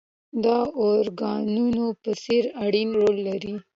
دا د ارګانونو په څېر اړين رول لري.